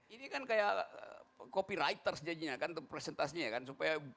ini kan kayak copywriter sejajarnya kan presentasinya